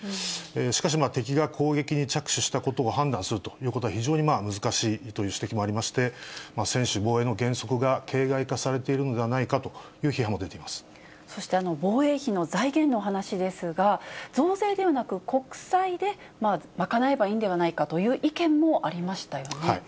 しかし、敵が攻撃に着手したことを判断するということは非常に難しいという指摘もありまして、専守防衛の原則が形骸化されているのではないかという批判も出てそして、防衛費の財源の話ですが、増税ではなく、国債で賄えばいいんではないかという意見もありましたよね。